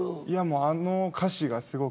あの歌詞がすごく。